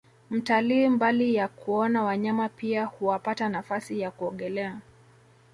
Mtalii mbali ya kuona wanyama pia huapata nafasi ya kuogelea